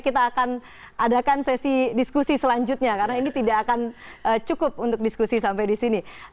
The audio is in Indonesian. kita akan adakan sesi diskusi selanjutnya karena ini tidak akan cukup untuk diskusi sampai di sini